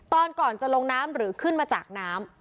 ก่อนจะลงน้ำหรือขึ้นมาจากน้ำ